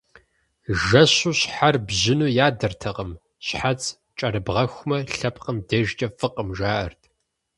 Жэщу щхьэр бжьыну ядэртэкъым, щхьэц кӀэрыбгъэхумэ, лъэпкъым дежкӀэ фӀыкъым, жаӀэрт.